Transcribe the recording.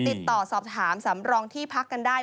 ติดต่อสอบถามสำรองที่พักกันได้